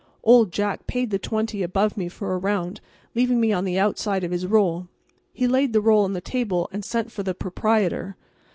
Old Jack paid the twenty above me for a round, leaving me on the outside of his roll. He laid the roll on the table and sent for the proprietor.